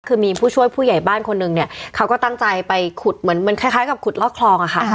คือมีผู้ช่วยผู้ใหญ่บ้านคนหนึ่งเนี่ยเขาก็ตั้งใจไปขุดเหมือนมันคล้ายกับขุดลอกคลองอะค่ะ